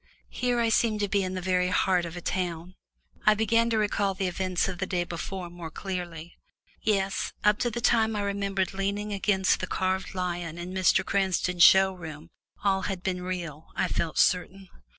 Here I seemed to be in the very heart of a town. I began to recall the events of the day before more clearly. Yes, up to the time I remembered leaning against the carved lion in Mr. Cranston's show room all had been real, I felt certain.